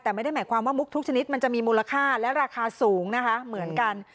แต่ไม่ได้หมายความว่ามุกทุกชนิดมันจะมีมูลค่าและราคาสูงนะคะเหมือนกัน